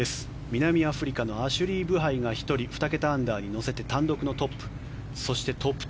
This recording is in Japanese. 南アフリカのアシュリー・ブハイが１人２桁アンダーに乗せて単独のトップ。